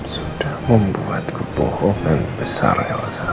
sudah membuatku bohongan besar ya osan